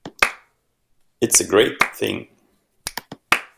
It's a great thing.